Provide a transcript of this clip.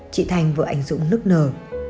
chị thành vợ anh dũng nức nở